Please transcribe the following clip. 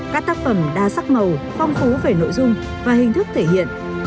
các tác phẩm đa sắc màu phong phú về nội dung và hình thức thể hiện